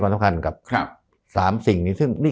เราก็เร่งทับตรงนี้